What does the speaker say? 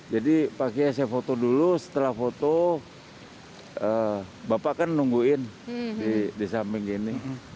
jadi pak kiai saya foto dulu setelah foto bapak kan nungguin di samping ini